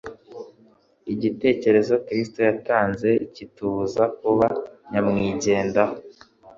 Icyitegererezo Kristo yatanze kitubuza kuba nyamwigendaho